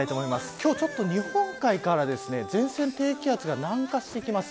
今日ちょっと日本海から前線低気圧が南下してきます。